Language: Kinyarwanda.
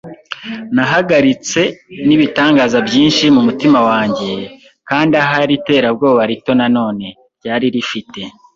Nahagaritse, nibitangaza byinshi mumutima wanjye, kandi ahari iterabwoba rito nanone. Ryari rifite